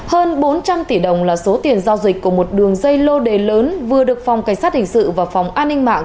hơn bốn trăm linh tỷ đồng là số tiền giao dịch của một đường dây lô đề lớn vừa được phòng cảnh sát hình sự và phòng an ninh mạng